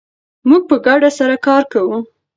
موږ په ګډه سره کار کوو.